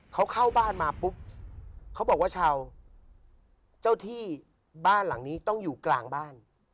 เขาเข้าบ้านมาปุ๊บเขาบอกว่าชาวเจ้าที่บ้านหลังนี้ต้องอยู่กลางบ้าน